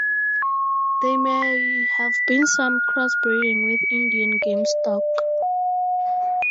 There may have been some cross-breeding with Indian Game stock.